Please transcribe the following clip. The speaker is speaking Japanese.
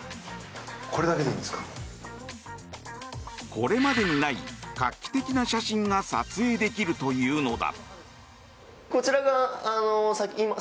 これまでにない画期的な写真が撮影できるというのだ。